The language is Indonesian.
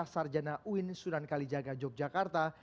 sarjana uin sunan kalijaga yogyakarta